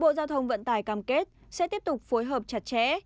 bộ giao thông vận tải cam kết sẽ tiếp tục phối hợp chặt chẽ